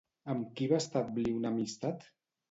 Amb qui va establir una amistat?